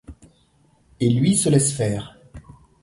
Et lui se laisse faire.